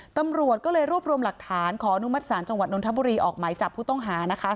ตำรวจก็เลยรวบรวมหลักฐานขออนุมัติศาลจังหวัดนทบุรีออกหมายจับผู้ต้องหานะคะ